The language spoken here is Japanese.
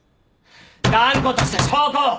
断固とした証拠を！